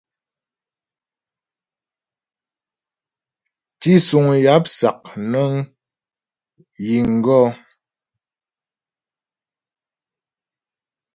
Tísuŋ yáp sák nə ghíŋ gɔ̌.